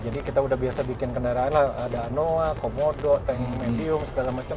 jadi kita udah biasa bikin kendaraan ada anoa komodo tank medium segala macam